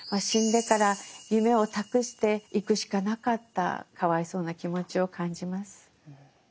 死んでから夢を託していくしかなかったかわいそうな気持ちを感じます。